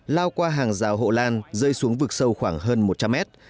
lao qua hàng rào hộ lan rơi xuống vực sâu khoảng hơn một trăm linh mét